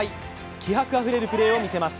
気迫あふれるプレーを見せます。